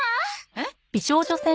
えっ？